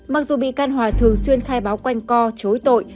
mặc dù bị can hòa thường xuyên khai báo quanh co chối tội